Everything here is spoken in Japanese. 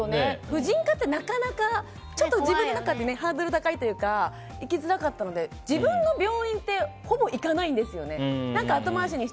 婦人科って自分の中でハードルが高いというか行きづらかったので自分の病院ってほぼ行かないんですよね。